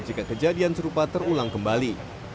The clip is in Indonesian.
jika kejadian serupa terulang kembali